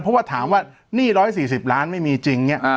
เพราะว่าถามว่านี่ร้อยสี่สิบล้านไม่มีจริงเนี้ยอ่า